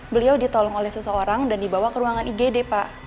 beliau ditolong oleh seseorang dan dibawa ke ruangan igd pak